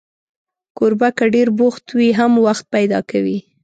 کوربه که ډېر بوخت وي، هم وخت پیدا کوي.